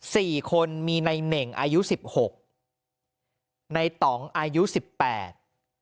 สี่คนมีในเน่งอายุสิบหกในต่องอายุสิบแปด